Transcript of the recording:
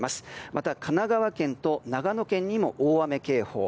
また、神奈川県と長野県にも大雨警報。